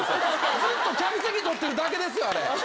ずっと、客席撮ってるだけですよ。